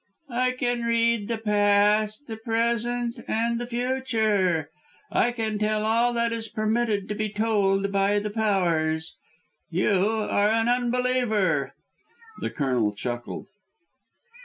"I can read the past, the present, and the future;' I can tell all that is permitted to be told by the Powers. You are an unbeliever." The Colonel chuckled.